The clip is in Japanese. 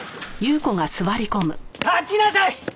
立ちなさい！